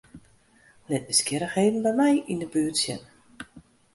Lit nijsgjirrichheden by my yn 'e buert sjen.